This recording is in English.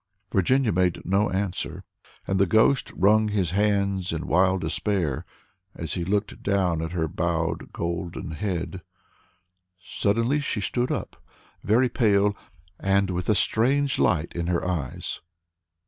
Virginia made no answer, and the ghost wrung his hands in wild despair as he looked down at her bowed golden head. Suddenly she stood up, very pale, and with a strange light in her eyes.